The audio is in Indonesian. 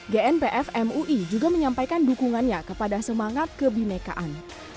genpfmui juga menyampaikan dukungannya kepada semangat kebimekaan